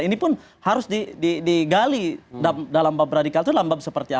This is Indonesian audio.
ini pun harus digali dalam bab radikal itulah bab seperti apa